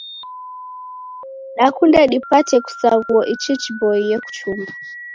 Dakunde dipate kusaghua ichi chiboie kuchumba.